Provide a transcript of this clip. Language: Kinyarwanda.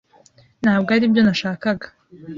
Ntabwo aribyo nashakaga.